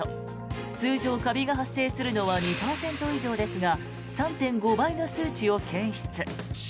通常、カビが発生するのは２％以上ですが３．５倍の数値を検出。